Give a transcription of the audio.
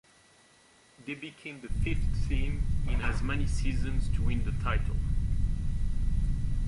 They became the fifth team in as many seasons to win the title.